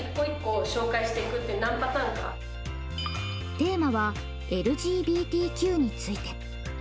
テーマはＬＧＢＴＱについて。